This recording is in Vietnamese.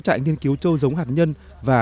trại nghiên cứu châu giống hạt nhân và